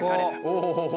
おお！